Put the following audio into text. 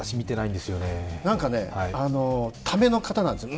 なんかね、ための方なんですよ。